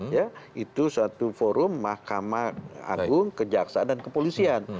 ya itu satu forum mahkamah agung kejaksaan dan kepolisian